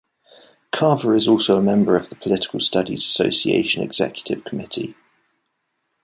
Carver is also a member of the Political Studies Association Executive Committee.